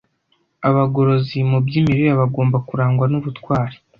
Abagorozi mu by’Imirire Bagomba Kurangwa n’Ubutwari